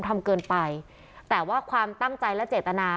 แต่ว่าความตั้งใจและเจตนา